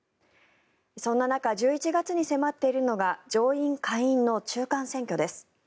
そんな中、１１月に迫っているのが上院・下院の中間選挙です。